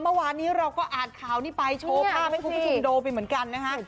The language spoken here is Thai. เมื่อวานี้เราก็อาจคาวนี้ไปโชว์ภาพให้พี่พี่ถูกโดไปเหมือนกันนะฮะ